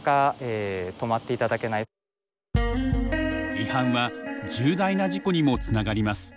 違反は重大な事故にもつながります。